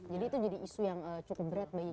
jadi itu jadi isu yang cukup berat bagi kita